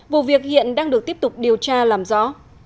vụ việc hiện đang được tiếp tục điều tra làm rõ